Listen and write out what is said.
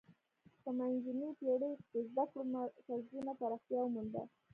په منځنیو پیړیو کې د زده کړو مرکزونو پراختیا ومونده.